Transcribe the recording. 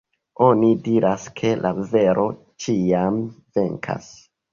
Oni diras, ke la vero ĉiam venkas.